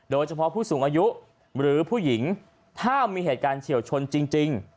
โดยเฉพาะผู้สูงอายุหรือผู้หญิงถ้ามีเหตุการณ์เฉียวชนจริง